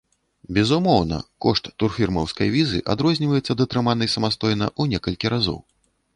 Безумоўна, кошт турфірмаўскай візы адрозніваецца ад атрыманай самастойна ў некалькі разоў.